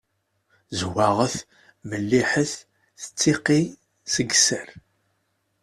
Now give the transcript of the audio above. Zewwaɣet, melliḥet, tettiqi seg sser.